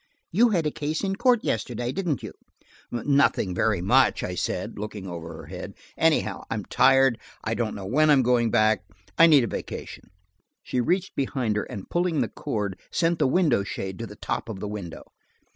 You had a case in court yesterday, didn't you?" "Nothing very much," I said, looking over her head. "Anyhow, I'm tired. I don't know when I'm going back. I need a vacation." She reached behind her and pulling the cord, sent the window shade to the top of the window.